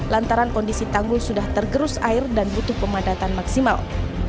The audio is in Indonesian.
lantaran kondisi tanggul sudah tergerus air dan butuh pemadatan maksimal